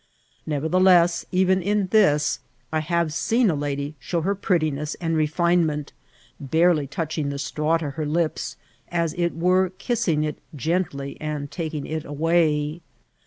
Nevertheless, even in this I have seen a lady show her prettiness and re finement, barely touching the straw to her lips, as it were kissing it gently and taking it away.